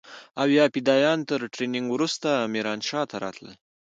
او يا فدايان تر ټرېننگ وروسته ميرانشاه ته راتلل.